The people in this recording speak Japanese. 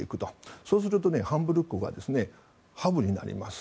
そうすると、ハンブルクがハブになります。